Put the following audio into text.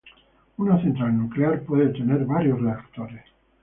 Una central nuclear puede tener varios reactores.